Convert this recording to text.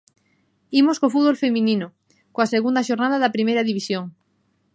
Imos co fútbol feminino, coa segunda xornada da Primeira División.